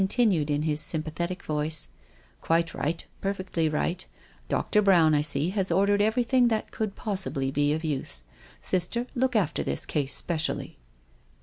tinued in his sympathetic voice :" Quite right ; perfectly right. Dr. Brown, I see, has ordered everything that could pos sibly be of use. Sister, look after this case especially."